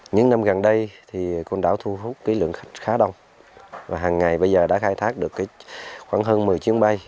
những năm gần đây thì côn đảo thu hút cái lượng khách khá đông và hàng ngày bây giờ đã khai thác được khoảng hơn một mươi chuyến bay